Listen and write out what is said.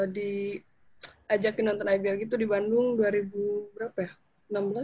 diajakin nonton ibl gitu di bandung dua ribu berapa ya